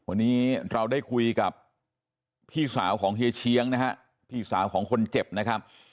วันนี้เราได้คุยกับพี่สาวของเฮียเชียงนะฮะพี่สาวของคนเจ็บนะครับ